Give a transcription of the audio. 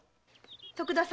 徳田様